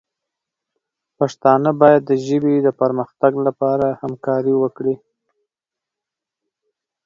پښتانه باید د ژبې د پرمختګ لپاره همکاري وکړي.